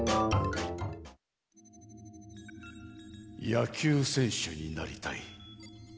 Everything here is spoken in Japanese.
「やきゅうせんしゅになりたい」。